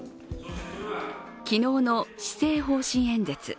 昨日の施政方針演説。